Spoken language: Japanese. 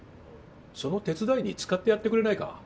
その手伝いに使ってやってくれないか？